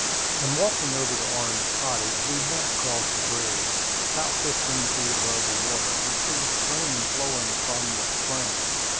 In walking over to Orange Cottage we had to cross a bridge, about fifteen feet above the water, which was a stream flowing from the spring.